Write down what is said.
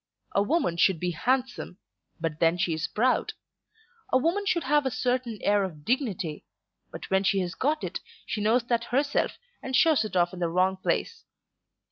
A woman should be handsome; but then she is proud. A woman should have a certain air of dignity; but when she has got it she knows that herself, and shows it off in the wrong place.